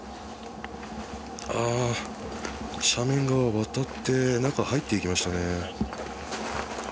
斜面側渡って中に入っていきましたね。